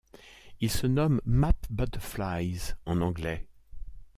Ils se nomment Map Butterflies en anglais.